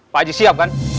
pak haji siap kan